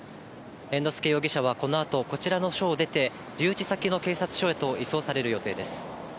猿之助容疑者はこのあと、こちらの署を出て、留置先の警察署へと移送される予定です。